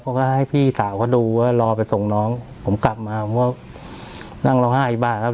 ผมก็ให้พี่สาวเขาดูว่ารอไปส่งน้องผมกลับมาผมว่านั่งรอหาอีกบ้านครับ